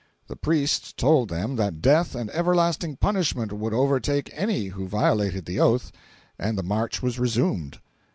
The priests told them that death and everlasting punishment would overtake any who violated the oath, and the march was resumed.